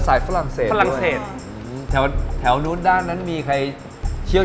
ฝรั่งเศสฝรั่งเศสแถวแถวนู้นด้านนั้นมีใครเที่ยว